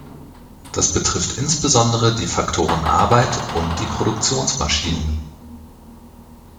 Das betrifft insbesondere die Faktoren Arbeit und die Produktionsmaschinen.